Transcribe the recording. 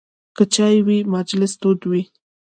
که چای وي، مجلس تود وي.